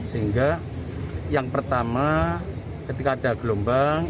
sehingga yang pertama ketika ada gelombang